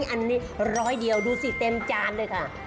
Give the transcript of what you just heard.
อันนี้ร้อยเดียวดูสิเต็มจานเลยค่ะ